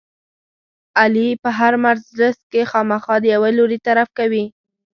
علي په هره مجلس کې خامخا د یوه لوري طرف کوي.